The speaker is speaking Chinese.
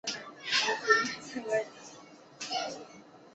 此后佐治镇号主要用作护航商船。